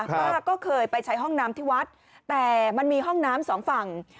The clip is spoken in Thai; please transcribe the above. ป้าก็เคยไปใช้ห้องน้ำที่วัดแต่มันมีห้องน้ำสองฝั่ง